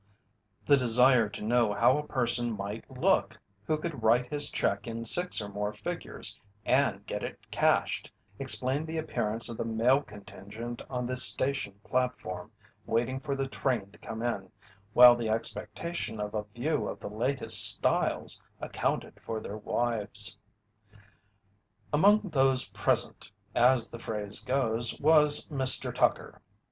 The desire to know how a person might look who could write his check in six or more figures, and get it cashed, explained the appearance of the male contingent on the station platform waiting for the train to come in, while the expectation of a view of the latest styles accounted for their wives. "Among those present," as the phrase goes, was Mr. Tucker.